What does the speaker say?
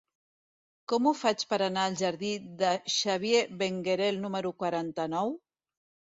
Com ho faig per anar al jardí de Xavier Benguerel número quaranta-nou?